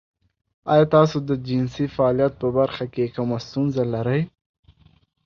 ایا تاسو د جنسي فعالیت په برخه کې کومه ستونزه لرئ؟